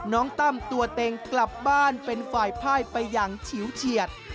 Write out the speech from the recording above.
ตั้มตัวเต็งกลับบ้านเป็นฝ่ายพ่ายไปอย่างฉิวเฉียด